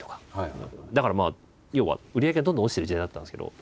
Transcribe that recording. だからまあ要は売り上げがどんどん落ちてる時代だったんですけど。